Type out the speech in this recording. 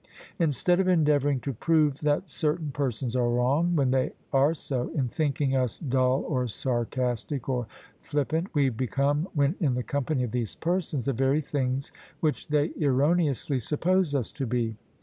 Instead of endeavouring to prove that certain persons are wrong — ^when they are so— in thinking us dull or sarcastic or flippant, we become, when in the company of these persons, the very things which they errone ously suppose us to be.